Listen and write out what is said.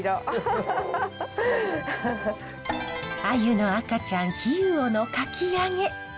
アユの赤ちゃん氷魚のかき揚げ。